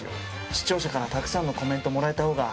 視聴者からたくさんのコメントもらえたほうが。